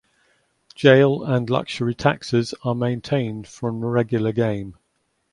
Jail and luxury taxes are maintained from the regular game.